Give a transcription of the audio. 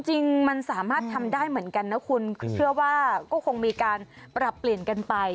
จริงมันสามารถทำได้เหมือนกันนะคุณเชื่อว่าก็คงมีการปรับเปลี่ยนกันไป